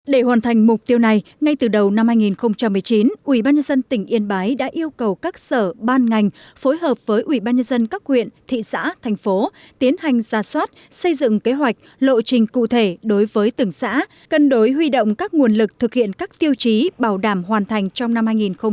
để hoàn thành mục tiêu này ngay từ đầu năm hai nghìn một mươi chín ubnd tỉnh yên bái đã yêu cầu các sở ban ngành phối hợp với ủy ban nhân dân các huyện thị xã thành phố tiến hành ra soát xây dựng kế hoạch lộ trình cụ thể đối với từng xã cân đối huy động các nguồn lực thực hiện các tiêu chí bảo đảm hoàn thành trong năm hai nghìn hai mươi